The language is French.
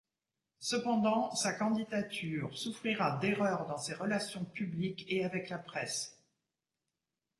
Cependant sa candidature souffrira d'erreurs dans ses relations publiques et avec la presse.